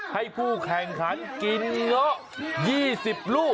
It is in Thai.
ให้ผู้แข่งขันกินเงาะ๒๐ลูก